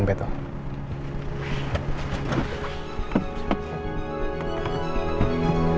aku bisa ke rumah sakit